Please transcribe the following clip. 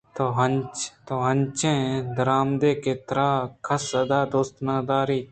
تو انچیں درآمدئے کہ ترا کس اِدا دوست نہ داریت